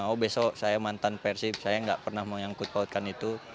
oh besok saya mantan persib saya tidak pernah mengangkut pautkan itu